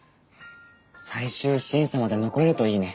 最終審査まで残れるといいね。